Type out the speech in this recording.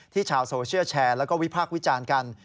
ที่ชาวโซเชียร์แชร์แล้วก็วิภาควิจารณ์กัน